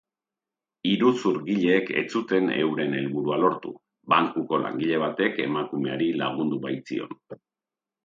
Iruzurgileek ez zuten euren helburua lortu, bankuko langile batek emakumeari lagundu baitzion.